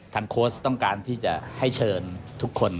โค้ชต้องการที่จะให้เชิญทุกคน